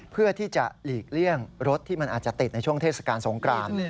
เพื่อที่จะหลีกเลี่ยงรถที่มันอาจจะติดในช่วงเทศกาลสงคราน